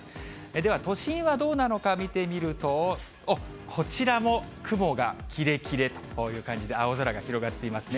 では都心はどうなのか見てみると、おっ、こちらも雲がキレキレという感じで、青空が広がっていますね。